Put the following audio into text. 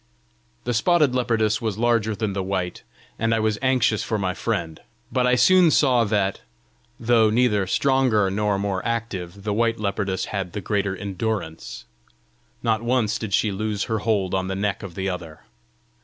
The spotted leopardess was larger than the white, and I was anxious for my friend; but I soon saw that, though neither stronger nor more active, the white leopardess had the greater endurance. Not once did she lose her hold on the neck of the other.